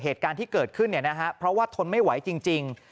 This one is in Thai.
เหตุการณ์ที่เกิดขึ้นเนี่ยนะฮะเพราะว่าทนไม่ไหวจริงจริง